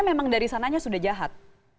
memang dari sananya sudah jahat